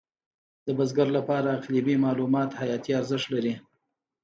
د بزګر لپاره اقلیمي معلومات حیاتي ارزښت لري.